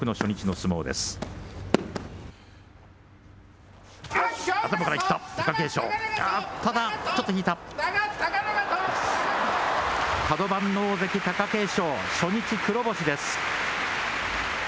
角番の大関・貴景勝初日黒星です。